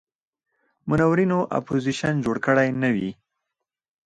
منورینو اپوزیشن جوړ کړی نه وي.